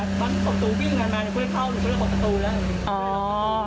พี่จ๋าก็ขอประตูวิ่งออกมาเดี๋ยวเขาออกประตูแล้ว